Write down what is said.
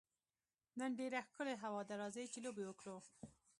نن ډېره ښکلې هوا ده، راځئ چي لوبي وکړو.